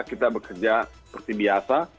kita bekerja seperti biasa